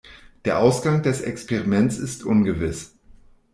Der Ausgang des Experiments ist ungewiss.